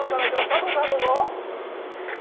佐藤さん、どうぞ。